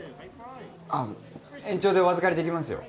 あっ延長でお預かりできますよ